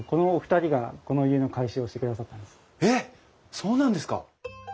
そうなんですか？